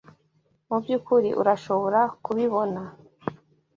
Mubyukuri urashobora kubibona.